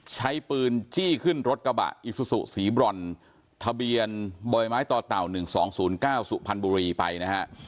ใช้ปืนจี้ขึ้นรถกระบะอิซูซูสีบรอนทะเบียนบ่อยไม้ต่อเต่า๑๒๐๙สุพรรณบุรีไปนะฮะ